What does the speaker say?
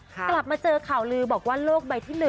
กลับมาเจอข่าวลือบอกว่าโลกใบที่๑